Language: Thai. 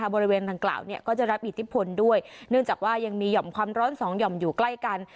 บริเวณดังกล่าวเนี่ยก็จะรับอิทธิพลด้วยเนื่องจากว่ายังมีห่อมความร้อนสองหย่อมอยู่ใกล้กัน